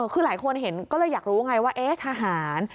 คือหลายคนเห็นก็เลยอยากรู้ไงว่าเอ๊ะทหาร